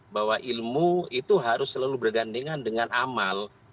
bahwa ilmu itu harus selalu bergandengan dengan amal